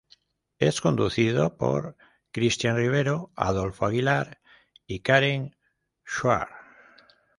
Es conducido por Cristian Rivero, Adolfo Aguilar y Karen Schwarz.